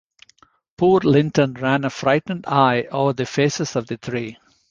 Poor Linton ran a frightened eye over the faces of the three.